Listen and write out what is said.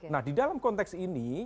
nah di dalam konteks ini